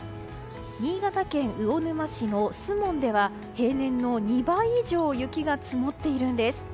新潟県魚沼市の守門では平年の２倍以上雪が積もっているんです。